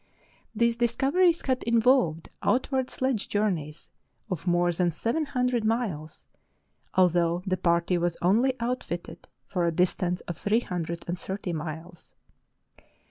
These discoveries had involved outward sledge journeys of more than seven hundred miles, although the party was only outfitted for a distance of three hundred and thirty miles.